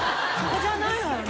子じゃないわよね。